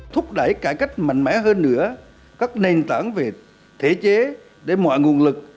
thúc đẩy cải cách mạnh mẽ hơn nữa các nền tảng về thể chế để mọi nguồn lực